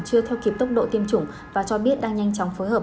chưa theo kịp tốc độ tiêm chủng và cho biết đang nhanh chóng phối hợp